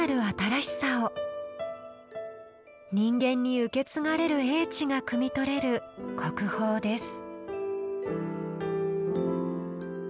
人間に受け継がれる英知がくみ取れる国宝です。